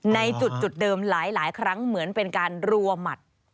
ในจุดเดิมหลายครั้งเหมือนเป็นการรัวหมัด